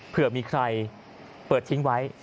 เผื่อมีใครเปิดทิ้งไว้